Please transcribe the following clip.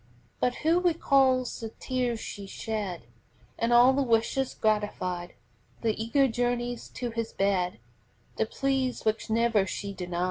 But who recalls the tears she shed, And all the wishes gratified, The eager journeys to his bed, The pleas which never she denied?